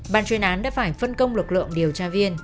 bàn truyền án đã phải phân công lực lượng điều tra viên